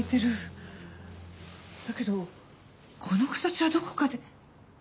だけどこの形はどこかで。